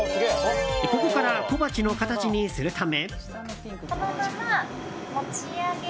ここから小鉢の形にするため。